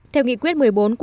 theo nghị quyết một mươi bốn